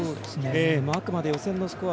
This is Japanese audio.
あくまで予選のスコア